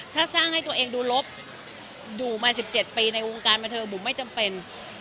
ถ้าสร้างให้ตัวเองดูลบอยู่มา๑๗ปีในวงการบันเทิงบุ๋มไม่จำเป็น